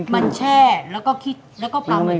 มันแช่แล้วก็